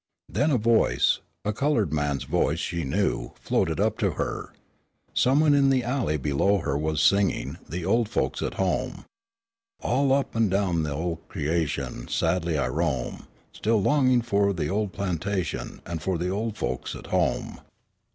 Then a voice, a colored man's voice, she knew, floated up to her. Some one in the alley below her window was singing "The Old Folks at Home." "All up an' down the whole creation, Sadly I roam, Still longing for the old plantation, An' for the old folks at home."